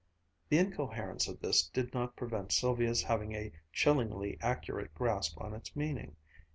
The incoherence of this did not prevent Sylvia's having a chillingly accurate grasp on its meaning.